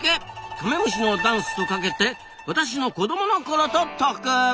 カメムシのダンスとかけて私の子どものころと解く。